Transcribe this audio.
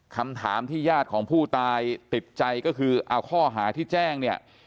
คำถามที่ญาติของผู้ตายติดใจก็คือเอาข้อหาที่แจ้งเนี่ย